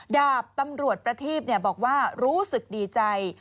ดาบตำรวจประทีพบอกว่ารู้สึกดีใจ